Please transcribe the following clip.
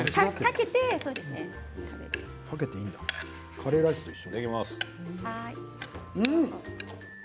カレーライスと一緒。